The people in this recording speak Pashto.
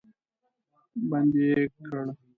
بندي یې کړ.